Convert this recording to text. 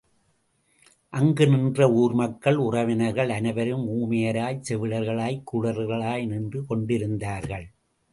அங்கு நின்ற ஊர்மக்கள், உறவினர்கள் அனைவரும் ஊமையராய், செவிடர்களாய் குருடர்களாய் நின்று கொண்டிருந்தார்கள்.